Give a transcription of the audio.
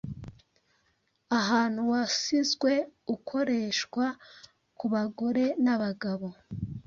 ahantu wasizwe. Ukoreshwa ku bagore n’abagabo.